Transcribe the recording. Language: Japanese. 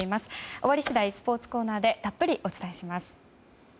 終わり次第スポーツコーナーでたっぷりお伝えします。